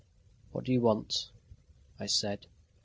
"What do you want?" I said.